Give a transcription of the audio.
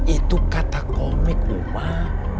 itu kata komik umar